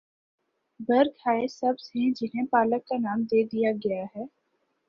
برگ ہائے سبز ہیں جنہیں پالک کا نام دے دیا گیا ہے۔